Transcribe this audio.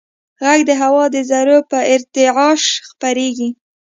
غږ د هوا د ذرّو په ارتعاش خپرېږي.